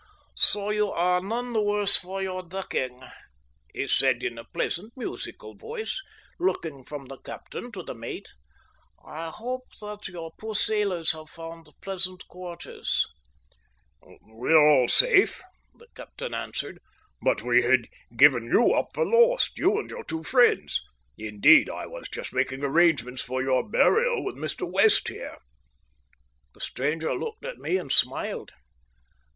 "So you are none the worse for your ducking," he said in a pleasant, musical voice, looking from the captain to the mate. "I hope that your poor sailors have found pleasant quarters." "We are all safe," the captain answered. "But we had given you up for lost you and your two friends. Indeed, I was just making arrangements for your burial with Mr. West here." The stranger looked at me and smiled.